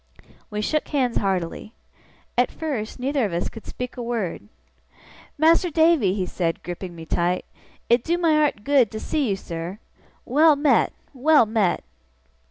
We shook hands heartily. At first, neither of us could speak a word. 'Mas'r Davy!' he said, gripping me tight, 'it do my art good to see you, sir. Well met, well met!